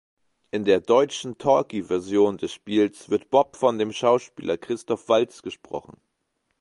In der deutschen Talkie-Version des Spiels wird Bob von dem Schauspieler Christoph Waltz gesprochen.